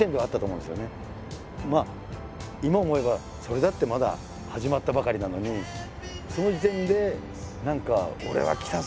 まあ今思えばそれだってまだ始まったばかりなのにその時点で何か「俺はきたぞ！